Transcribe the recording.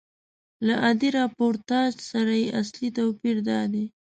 له عادي راپورتاژ سره یې اصلي توپیر دادی.